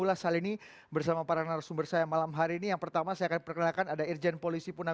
dan ini adalah hal yang sangat penting